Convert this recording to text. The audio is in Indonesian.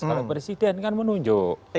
kalau presiden kan menunjuk